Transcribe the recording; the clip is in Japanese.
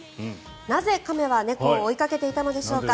なぜ、亀は猫を追いかけていたのでしょうか。